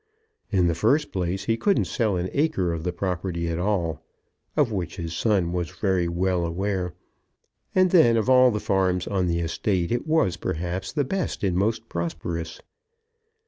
In the first place he couldn't sell an acre of the property at all, of which fact his son was very well aware; and then, of all the farms on the estate it was, perhaps, the best and most prosperous.